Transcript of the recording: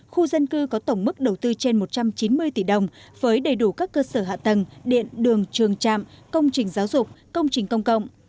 khu dân cư có tổng mức đầu tư trên một trăm chín mươi tỷ đồng với đầy đủ các cơ sở hạ tầng điện đường trường trạm công trình giáo dục công trình công cộng